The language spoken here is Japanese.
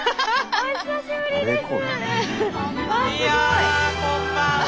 お久しぶりです。